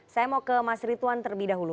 saya mau ke mas rituan terlebih dahulu